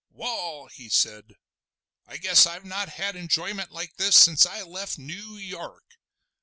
"Wall!" he said, "I guess I've not had enjoyment like this since I left Noo York.